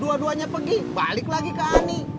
dua duanya pergi balik lagi ke ani